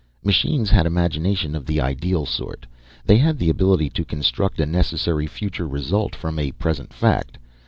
Machines had imagination of the ideal sort. They had the ability to construct a necessary future result from a present fact.